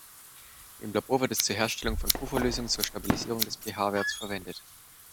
Im Labor wird es zur Herstellung von Pufferlösungen zur Stabilisierung des pH-Werts verwendet.